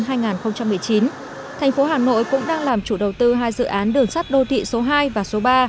thành phố hà nội cũng đang làm chủ đầu tư hai dự án đường sắt đô thị số hai và số ba